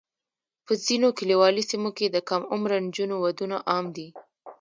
په ځینو کلیوالي سیمو کې د کم عمره نجونو ودونه عام دي.